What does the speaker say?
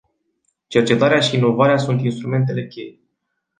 Cercetarea și inovarea sunt instrumentele cheie.